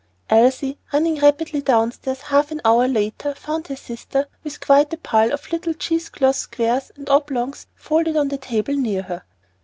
Elsie, running rapidly downstairs half an hour later, found her sister with quite a pile of little cheese cloth squares and oblongs folded on the table near her.